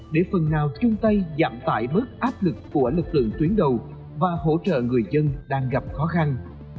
để phần nào chung tay giảm tải bớt áp lực của lực lượng tuyến đầu và hỗ trợ người dân đang gặp khó khăn